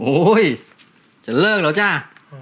โอ๊ยจะเลิกเหรอจ้ะ